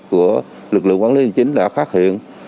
của lực lượng quản lý hình chính đã phát hiện